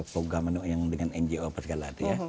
program yang dengan ngo apa segala itu ya